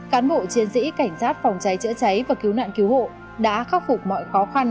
cán bộ chiến sĩ cảnh sát phòng cháy chữa cháy và cứu nạn cứu hộ đã khắc phục mọi khó khăn